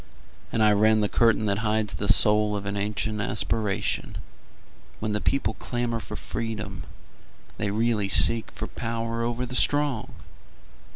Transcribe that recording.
And I rend the curtain that hides the soul Of an ancient aspiration: When the people clamor for freedom They really seek for power o'er the strong.